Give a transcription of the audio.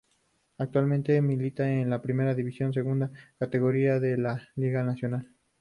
Actualmente milita en la Primera División, segunda categoría de la liga nacional.